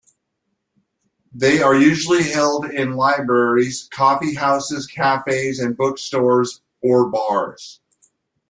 They are usually held in libraries, coffee houses, cafes, and book stores or bars.